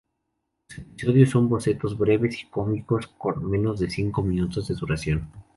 Los episodios son bocetos breves y cómicos, con menos de cinco minutos de duración.